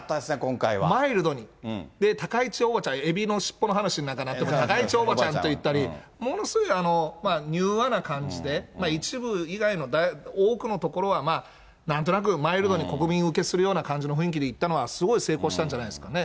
マイルドに、高市おばちゃん、えびの尻尾の話になんかなって高市おばちゃんと言ったり、ものすごい柔和な感じで、一部以外の多くのところはなんとなくマイルドに国民受けするような感じで、雰囲気でいったのはすごい成功したんじゃないですかね。